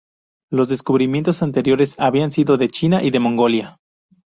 Los descubrimientos anteriores habían sido de China y de Mongolia.